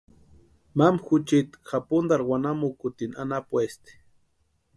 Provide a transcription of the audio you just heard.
Mama juchiti japuntarhu wanamukutini anapuesti.